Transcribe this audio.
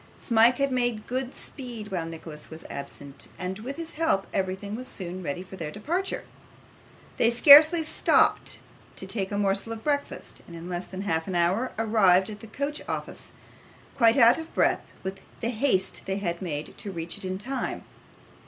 Smike had made good speed while Nicholas was absent, and with his help everything was soon ready for their departure. They scarcely stopped to take a morsel of breakfast, and in less than half an hour arrived at the coach office: quite out of breath with the haste they had made to reach it in time.